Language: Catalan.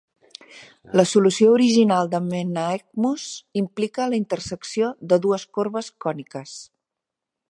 La solució original de Menaechmus implica la intersecció de dues corbes còniques.